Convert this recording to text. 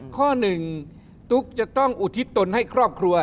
ข้อหนึ่งตุ๊กจะต้องอุทิศตนให้ครอบครัว